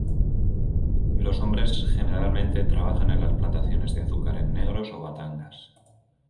Los hombres generalmente trabajan en las plantaciones de azúcar en Negros o Batangas.